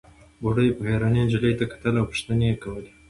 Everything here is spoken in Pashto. بوډۍ په حيرانۍ نجلۍ ته کتل او پوښتنې يې کولې.